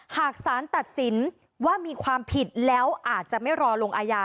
หากสารตัดสินว่ามีความผิดแล้วอาจจะไม่รอลงอาญา